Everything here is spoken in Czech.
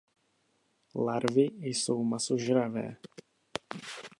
Larvy jsou masožravé.